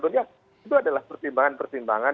sebetulnya itu adalah pertimbangan pertimbangan